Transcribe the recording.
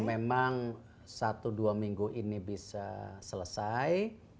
memang satu dua minggu ini bisa selesai